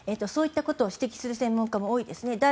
そういったことを指摘する専門家も多いですね。